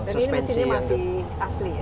suspensi dan ini mesinnya masih asli ya